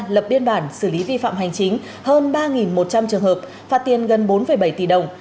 lập biên bản xử lý vi phạm hành chính hơn ba một trăm linh trường hợp phạt tiền gần bốn bảy tỷ đồng